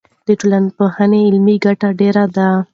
د ټولنپوهنې عملي ګټې ډېرې دي.